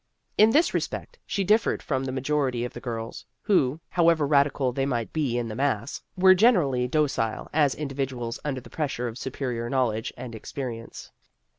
In this respect she differed from the majority of the girls, who, however radical they might be in the mass, were generally docile as individuals under the pressure of superior knowledge and ex perience.